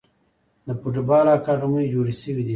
د فوټبال اکاډمۍ جوړې شوي دي.